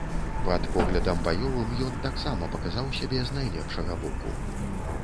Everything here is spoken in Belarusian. Пад поглядам баёвым ён таксама паказаў сябе з найлепшага боку.